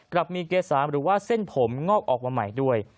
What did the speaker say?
กลับมีเกษาหรือว่าเส้นผมงอกออกมาใหม่ด้วย